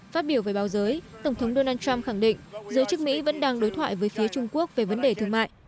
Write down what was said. phát biểu về báo giới tổng thống donald trump khẳng định giới chức mỹ vẫn đang đối thoại với phía trung quốc về vấn đề thương mại